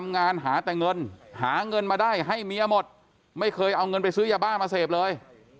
เงินมาได้ให้เมียหมดไม่เคยเอาเงินไปซื้อยาบ้ามาเสพเลย